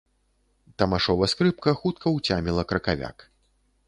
Тамашова скрыпка хутка ўцяміла кракавяк.